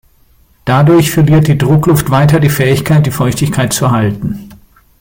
Dadurch verliert die Druckluft weiter die Fähigkeit die Feuchtigkeit zu halten.